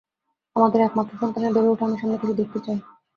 আমাদের একমাত্র সন্তানের বেড়ে উঠা আমি সামনে থেকে দেখতে চাই।